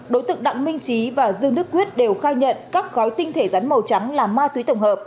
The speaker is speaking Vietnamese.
đối tượng đặng minh trí và dương đức quyết đều khai nhận các gói tinh thể rắn màu trắng là ma túy tổng hợp